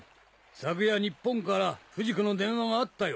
昨夜日本から不二子の電話があったよ。